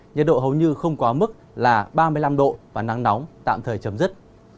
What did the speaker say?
nhiệt độ hầu như không quá mức là ba mươi năm độ và nắng nóng tạm thời chấm dứt